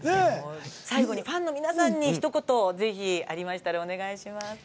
最後にファンの皆さんにひと言、ぜひありましたらお願いします。